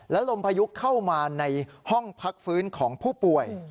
และลมพายุเข้ามาในห้องพักฟื้นของผู้ป่วย